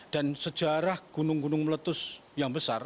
dan sejarah gunung gunung meletus yang besar